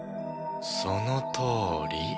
そのとおり。